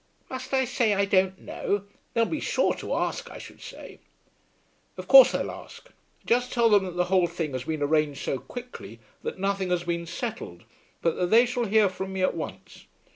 "Must I say I don't know? They'll be sure to ask, I should say." "Of course they'll ask. Just tell them that the whole thing has been arranged so quickly that nothing has been settled, but that they shall hear from me at once.